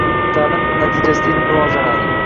Ta’lim natijasida ilm rivojlanadi